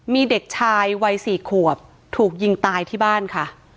มีเด็กชายวัย๔ขวบถูกยิงตายที่บ้านค่ะ